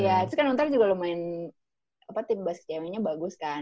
iya terus kan diuntar juga lumayan apa tim basket kcm nya bagus kan